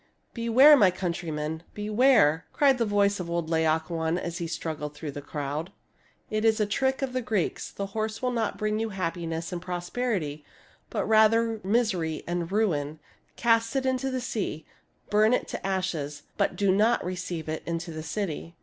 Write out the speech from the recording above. " Beware, my countrymen, beware !" cried the voice of old Laocoon, as he struggled through the crowd. " This is a trick of the Greeks. The horse will not bring you happiness and prosperity, but rather misery and ruin. Cast it into the sea, burn it to ashes, but do not receive it into the city."